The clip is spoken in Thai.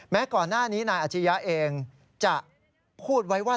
ก่อนหน้านี้นายอาชียะเองจะพูดไว้ว่า